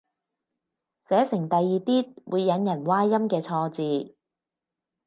寫成第二啲會引人歪音嘅錯字